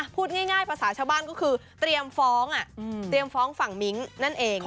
พูดง่ายประสาทชาวบ้านก็คือเตรียมฟ้องฝั่งมิ้งนั่นเอง